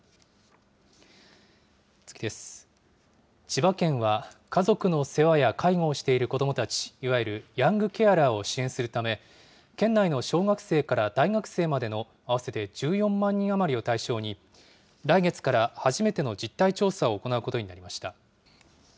千葉県は、家族の世話や介護をしている子どもたち、いわゆるヤングケアラーを支援するため、県内の小学生から大学生までの合わせて１４万人余りを対象に、来月から初めての実態調査を行うことになりました。